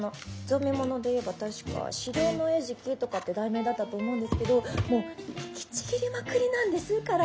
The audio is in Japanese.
ゾンビもので言えば確か「死霊のえじき」とかって題名だったと思うんですけどもう引きちぎりまくりなんです体。